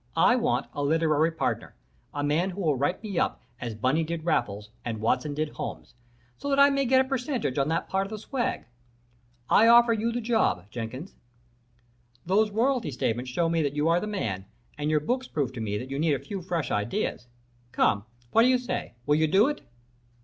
I want a literary partner a man who will write me up as Bunny did Raffles, and Watson did Holmes, so that I may get a percentage on that part of the swag. I offer you the job, Jenkins. Those royalty statements show me that you are the man, and your books prove to me that you need a few fresh ideas. Come, what do you say? Will you do it?"